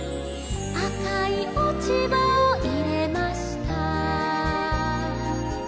「赤い落ち葉を入れました」